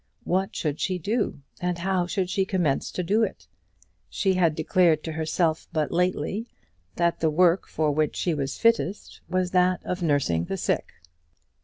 What should she do, and how should she commence to do it? She had declared to herself but lately that the work for which she was fittest was that of nursing the sick.